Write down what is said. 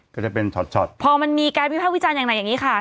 ก็จะเป็นช็อตพอมันมีการวิภาควิจารณ์อย่างไหนอย่างนี้ค่ะ